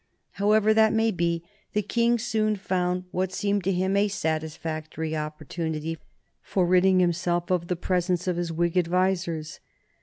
However that may be, the King soon found what seemed to him a satisfactory opportunity for ridding himself of the presence of his Whig advisers.